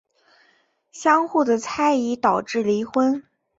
相互的猜疑导致离婚。